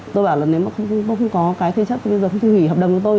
tôi bảo là nếu mà tôi không có cái thế chấp thì bây giờ tôi không thể nghỉ hợp đồng với tôi